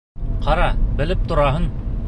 Ҡара, белеп тораһың!